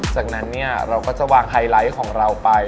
จากนั้นเนี่ยเราก็จะวางไฮไลท์ของเราไป